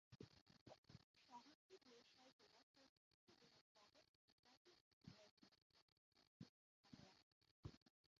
শহরটি বরিশাল জেলার চতুর্থ বৃহত্তম ও মুলাদী উপজেলার বৃহত্তম এবং প্রধান শহরাঞ্চল।